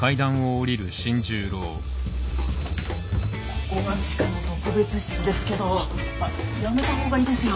ここが地下の特別室ですけどやめた方がいいですよ。